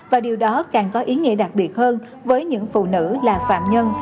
và điều đó càng có ý nghĩa đặc biệt hơn với những phụ nữ là phạm nhân